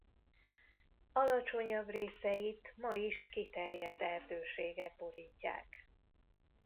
Alacsonyabb részeit ma is kiterjedt erdőségek borítják.